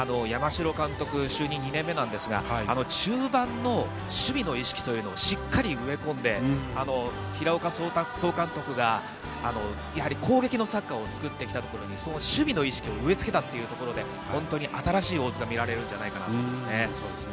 山城監督、就任２年目なんですが、中盤の守備の意識というのをしっかり植え込んで、平岡総監督が攻撃のサッカーを作ってきたと、その守備の意識を植えつけたというところで、ホントに新しい大津が見られるんじゃないかなと思います。